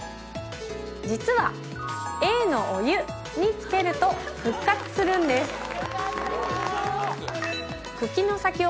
実はＡのお湯につけると復活するんです。